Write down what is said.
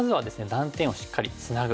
断点をしっかりツナぐ。